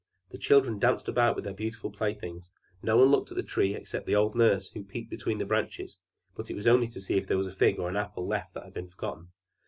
The children danced about with their beautiful playthings; no one looked at the Tree except the old nurse, who peeped between the branches; but it was only to see if there was a fig or an apple left that had been forgotten.